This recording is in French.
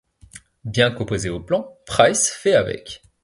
Bien qu'opposé au plan, Price fait avec.